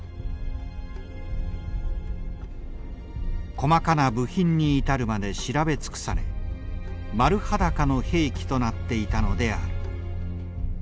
細かな部品に至るまで調べ尽くされ丸裸の兵器となっていたのである。